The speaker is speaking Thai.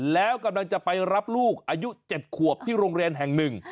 แล้วกำลังจะไปรับลูกอายุ๗ขวบที่โรงเรียนแห่งหนึ่ง